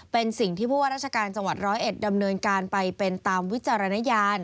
เป็นสิ่งที่ผู้ว่าราชการจังหวัดร้อยเอ็ดดำเนินการไปเป็นตามวิจารณญาณ